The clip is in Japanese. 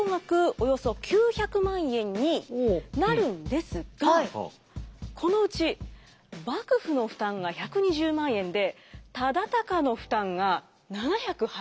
およそ９００万円になるんですがこのうち幕府の負担が１２０万円で忠敬の負担が７８０万円なんです。